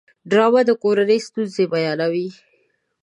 ډرامه د کورنۍ ستونزې بیانوي